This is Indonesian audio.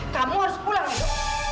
kamu harus pulang edo